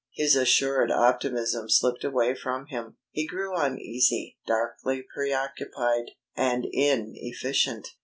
His assured optimism slipped away from him. He grew uneasy, darkly preoccupied, and inefficient.